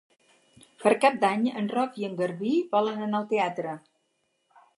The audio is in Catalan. Per Cap d'Any en Roc i en Garbí volen anar al teatre.